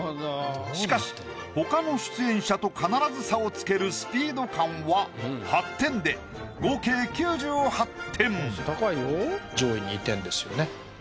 しかし他の出演者と必ず差をつけるスピード感は８点で合計９８点。